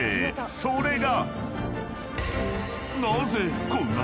［それが］